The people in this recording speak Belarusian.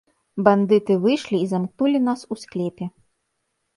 Бандыты выйшлі і замкнулі нас у склепе.